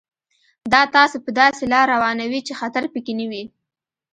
دا تاسو په داسې لار روانوي چې خطر پکې نه وي.